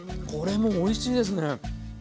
これもおいしいですね。